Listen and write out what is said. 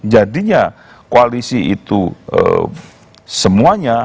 jadinya koalisi itu semuanya